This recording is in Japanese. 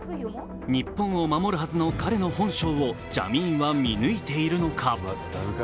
日本を守るはずの彼の本性をジャミーンは見抜いているのか。